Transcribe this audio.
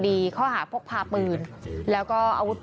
พี่หุยรู้มั้ยเขาทำอะไรอยู่ในห้องนอนในมือถื